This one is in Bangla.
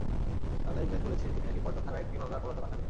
বাংলাদেশ ব্যাংক বলেছে, তিনি নাকি পল্টন থানার একটি মামলার পলাতক আসামি।